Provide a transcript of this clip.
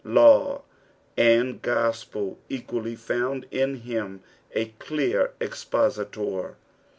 Law and gospel equally found In him a clear expositor.